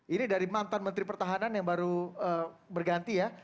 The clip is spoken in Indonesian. ini dari mantan menteri pertahanan yang baru berganti ya